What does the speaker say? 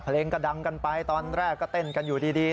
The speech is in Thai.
เพลงก็ดังกันไปตอนแรกก็เต้นกันอยู่ดี